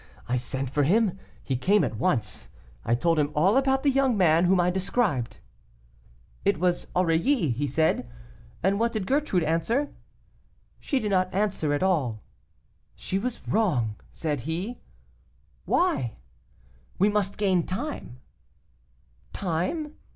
I sent for him, he came at once. I told him all about the young man, whom I described. "'It was Aurilly;' he said, 'and what did Gertrude answer?' 'She did not answer at all.' 'She was wrong,' said he. 'Why?' 'We must gain time.' 'Time?